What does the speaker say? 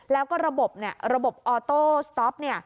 แล้วก็ระบบระบบออโต้สต๊อป